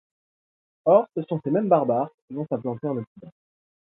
Or, ce sont ces mêmes barbares qui vont s'implanter en Occident.